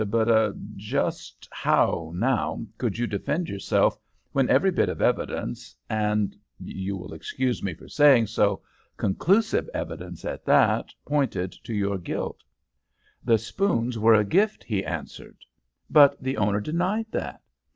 "But er just how, now, could you defend yourself when every bit of evidence, and you will excuse me for saying so conclusive evidence at that, pointed to your guilt?" "The spoons were a gift," he answered. "But the owner denied that."